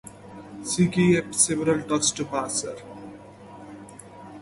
She gave several talks at Vassar.